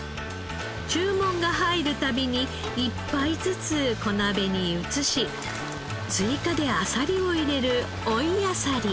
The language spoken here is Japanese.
注文が入る度に１杯ずつ小鍋に移し追加であさりを入れる追いあさり。